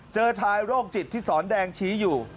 เจอชายโรคจิตที่สอนแดงชี้อยู่